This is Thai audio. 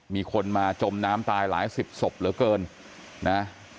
มีคนมาจมน้ำตายหลายสิบศพเหลือเกินนะ